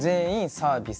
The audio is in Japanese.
サービス。